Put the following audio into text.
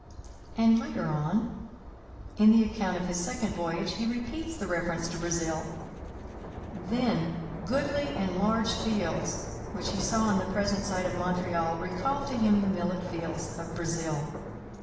And later on, in the account of his second voyage, he repeats the reference to Brazil; then 'goodly and large fields' which he saw on the present site of Montreal recall to him the millet fields of Brazil.